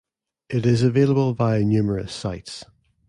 It is available via numerous sites.